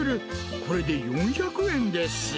これで４００円です。